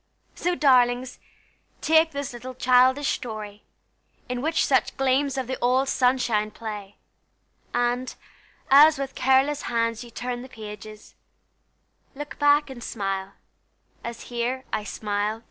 So, darlings, take this little childish story, In which some gleams of the old sunshine play, And, as with careless hands you turn the pages, Look back and smile, as here I smile to day.